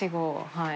はい。